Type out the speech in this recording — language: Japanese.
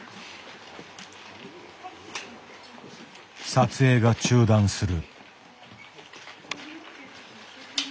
撮影が中断する。